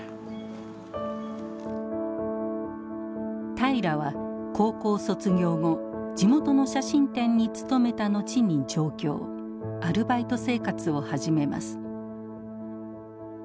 平良は高校卒業後地元の写真店に勤めたのちに上京アルバイト生活を始めます。